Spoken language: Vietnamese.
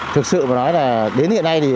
thực sự mà nói là đến hiện nay